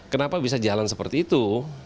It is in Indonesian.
kenapa bisa jalan seperti itu